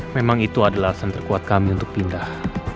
memang itu adalah alasan terkuat kami untuk pindah